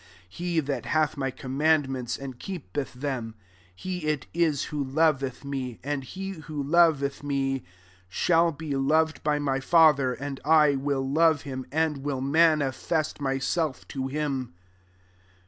21 He that hath my commandments, and keepeth them, he it is who lov eth me : and he who loveth me, shall be loved by my Father; and I will love him, and will manifest myself to him.